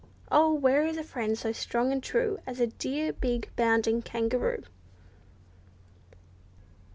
Oh! where is a friend so strong and true As a dear big, bounding kangaroo?